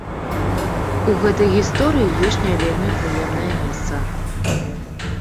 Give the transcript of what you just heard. У гэтай гісторыі ёсць не вельмі прыемнае месца.